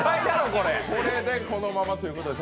これでこのままということです